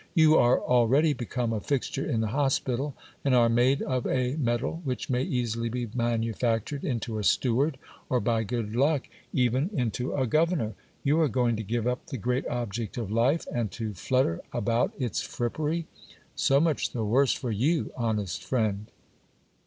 You are al ready become a fixture in the hospital, and are made of a metal which may easily be manufactured into a steward, or by good luck even into a governor. You are going to give up the great object of life, and to flutter about its frip pery. So much the worse for you, honest friend